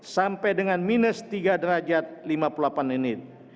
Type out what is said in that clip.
sampai dengan minus tiga derajat lima puluh delapan menit